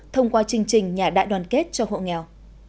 thông qua chương trình nhà đại đoàn kết cho hộ nghèo